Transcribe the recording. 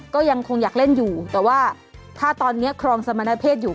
ก็ยังคงอยากเล่นอยู่แต่ว่าถ้าตอนนี้ครองสมณเพศอยู่